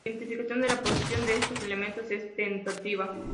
La identificación de la posición de estos elementos es tentativa.